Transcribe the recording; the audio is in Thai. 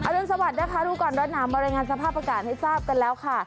อรรินสวัสดีค่ะทุกคนด้วยหนาวบรรยายงานสภาพอากาศให้ทราบกันแล้วค่ะ